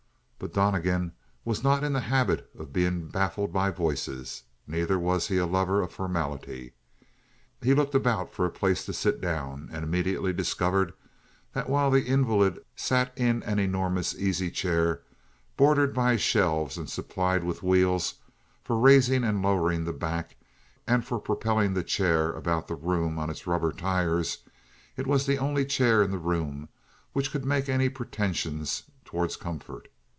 But Donnegan was not in the habit of being baffled by voices. Neither was he a lover of formality. He looked about for a place to sit down, and immediately discovered that while the invalid sat in an enormous easy chair bordered by shelves and supplied with wheels for raising and lowering the back and for propelling the chair about the room on its rubber tires, it was the only chair in the room which could make any pretensions toward comfort.